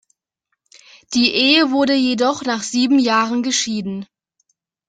Die Ehe wurde jedoch nach sieben Jahren geschieden.